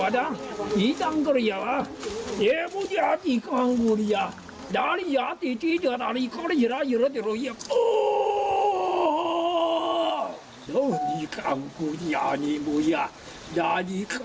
ดิสุดดีขึ้นมั้ย